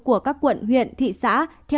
của các quận huyện thị xã